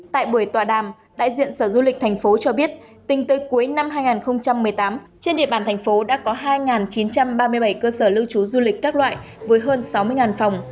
tại buổi tọa đàm đại diện sở du lịch thành phố cho biết tính tới cuối năm hai nghìn một mươi tám trên địa bàn thành phố đã có hai chín trăm ba mươi bảy cơ sở lưu trú du lịch các loại với hơn sáu mươi phòng